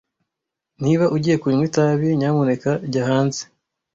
Niba ugiye kunywa itabi, nyamuneka jya hanze.